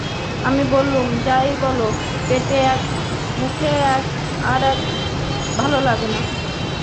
আমি বললুম, যাই বল, পেটে এক মুখে এক ভালো নয়।